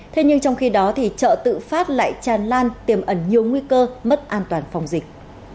thế nhưng trong khi đó thì chợ tự phát lại tràn lan tiềm ẩn nhiều nguy cơ mất an toàn phòng dịch